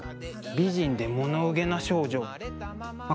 美人で物憂げな少女まあ